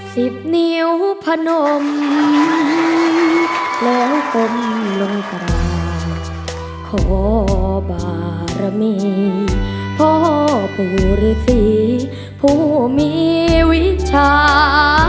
สิบเหนียวพะนมแล้วผมลงตราขอบารมีพ่อผู้หรือสี่ผู้มีวิชา